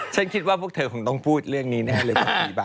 ฉันคิดว่าพวกเธอคงต้องพูดเรื่องนี้แน่เลย